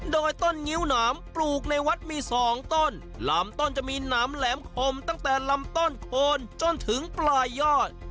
โดยต้นงิ้วหนามปลูกในวัดมีสองต้นลำต้นจะมีหนามแหลมคมตั้งแต่ลำต้นโคนจนถึงปลายยอด